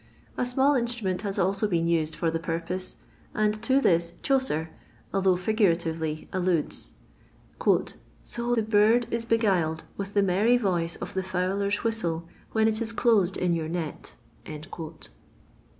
A small instrument has also been used for the purpose, and to this Chaucer, although figuratively, alludes: "So, the birde is begyled with the merry voice of the foulers' whistel, when it is closed in your nette."